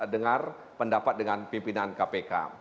dengar pendapat dengan pimpinan kpk